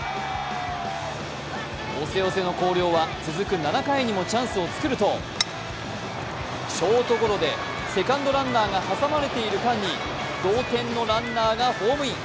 押せ押せの広陵は続く７回にもチャンスを作るとショートゴロでセカンドランナーが挟まれている間に同点のランナーがホームイン。